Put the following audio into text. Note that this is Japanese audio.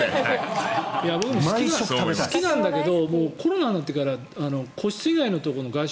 僕も好きなんだけどコロナになってから個室以外のところの外食